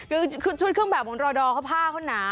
คือชุดเครื่องแบบของรอดอเขาผ้าเขาหนา